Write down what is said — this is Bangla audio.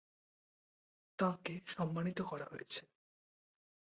তাঁকে 'সম্মানিত' করা হয়েছে।